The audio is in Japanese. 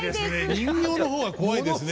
人形の方が怖いですね。